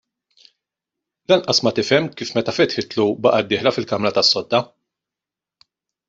Lanqas ma tifhem kif meta fetħitlu baqgħet dieħla fil-kamra tas-sodda.